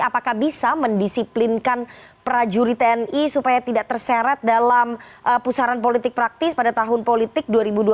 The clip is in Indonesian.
apakah bisa mendisiplinkan prajurit tni supaya tidak terseret dalam pusaran politik praktis pada tahun politik dua ribu dua puluh